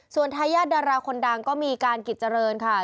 ส่วนทายาทดาราคนดังก็มีการกิจเจริญค่ะ